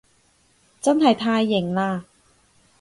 真係太型喇